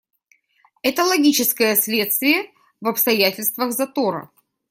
Это логическое следствие в обстоятельствах затора.